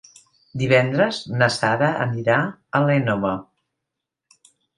Divendres na Sara anirà a l'Énova.